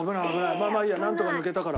まあいいやなんとか抜けたから。